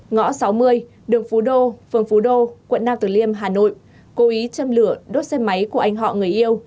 ngõ sáu mươi đường phú đô phường phú đô quận nam tử liêm hà nội cố ý châm lửa đốt xe máy của anh họ người yêu